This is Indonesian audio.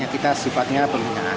kita sifatnya pembinaan